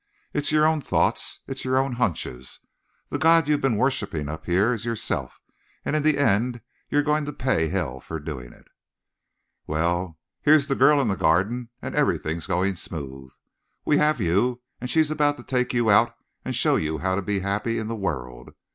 It's your own thoughts. It's your own hunches. The god you've been worshiping up here is yourself, and in the end you're going to pay hell for doing it. "Well, here's the girl in the Garden, and everything going smooth. We have you, and she's about to take you out and show you how to be happy in the world.